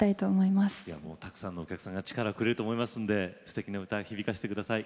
いやもうたくさんのお客さんが力をくれると思いますんですてきな歌響かせてください。